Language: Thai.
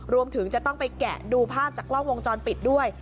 รวมถึงจะต้องไปแกะดูภาพจากกล้องวงจรปิดด้วย